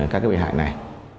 các cái bị hại này